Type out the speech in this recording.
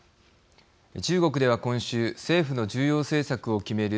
中国では今週政府の重要政策を決める